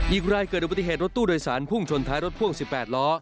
อีกรายเกิดอุบัติเหตุรถตู้โดยสารพุ่งชนท้ายรถพ่วง๑๘ล้อ